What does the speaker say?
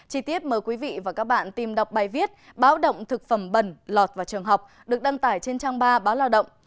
chí tiết mời quý vị và các bạn tìm đọc bài viết báo động thực phẩm bẩn lọt vào trường học được đăng tải trên trang ba báo lao động